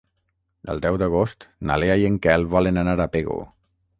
El deu d'agost na Lea i en Quel volen anar a Pego.